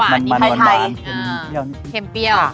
เข็มแปร่วนิดหนึ่งค่ะเข็มเปรี้ยว